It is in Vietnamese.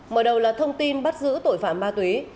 mở đầu là thông tin bắt giữ tội phạm ma túy